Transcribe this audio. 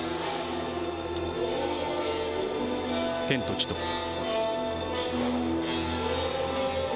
「天と地と」。